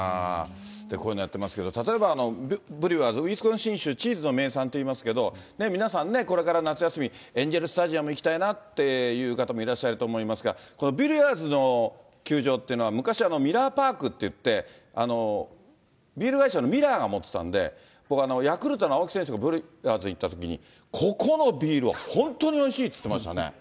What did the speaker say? こういうのやってますけど、例えばブリュワーズ、ウィスコンシン州、チーズの名産といいますけれども、皆さんね、これから夏休み、エンジェルスタジアム行きたいなって方もいらっしゃると思いますが、このブリュワーズの球場ってのは、昔、ミラーパークっていって、ビール会社のミラーが持ってたんで、僕、ヤクルトの青木選手がブリュワーズ行ったときに、ここのビールは本当においしいって言ってましたね。